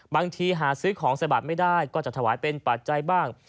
บางทีหาซื้อของสะบัดไม่ได้ก็จะถวายเป็นปัจจัยบ้าง